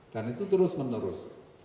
dan itu terus menerus